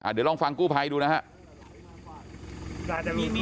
เดี๋ยวลองฟังกู้ไพดูนะฮะ